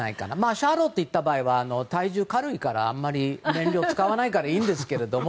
シャーロットが行った場合は体重が軽いからあまり燃料を使わないからいいんですけども。